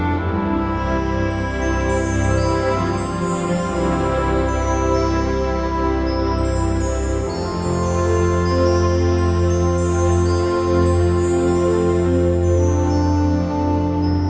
คุณก่อเกียรติทองพุทธผู้ออกแบบพระเมรุมาตรออกมาได้อย่างวิจิตร